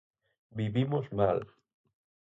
Vivimos mal.